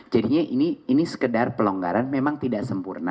jadinya ini sekedar pelonggaran memang tidak sempurna